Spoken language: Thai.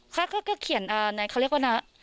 เขาก็เขียนเขาเรียกว่านะ